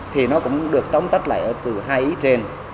thì nó cũng được tóm tắt lại ở từ hai ý trên